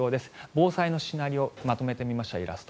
防災のシナリオをイラストまとめてみました。